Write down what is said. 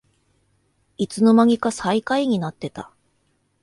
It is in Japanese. いつのまにか最下位になってた